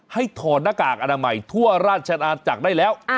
ถอดหน้ากากอนามัยทั่วราชนาจักรได้แล้ว